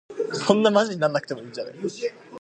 He joined the Dutch airforce and became an airforce pilot.